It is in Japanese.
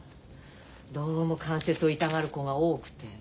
どうも関節を痛がる子が多くて。